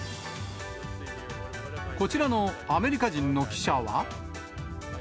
こちらのアメリカ人の記者は。